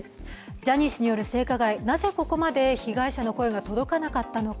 ジャニー氏による性加害、なぜここまで被害者の声が届かなかったのか。